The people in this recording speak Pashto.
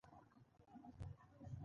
ښایي د ساکانو بقایاوي.